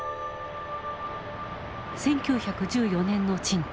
１９１４年の青島。